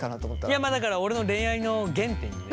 いやまあだから俺の恋愛の原点にね。